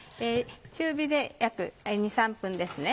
中火で約２３分ですね。